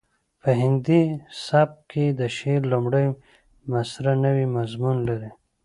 په هندي سبک کې د شعر لومړۍ مسره نوی مضمون لري